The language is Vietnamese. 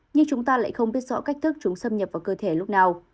nhưng chúng ta lại không biết rõ cách thức chúng xâm nhập vào cơ thể lúc nào